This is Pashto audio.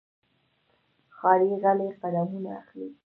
ښکاري غلی قدمونه اخلي.